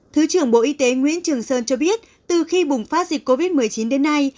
thứ trưởng bộ y tế nguyễn trường sơn cho biết từ khi bùng phát dịch covid một mươi chín đến nay